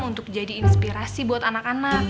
untuk jadi inspirasi buat anak anak